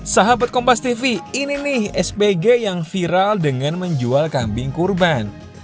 sahabat kompastv ini nih spg yang viral dengan menjual kambing kurban